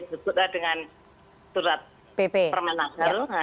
sebutlah dengan surat permen agar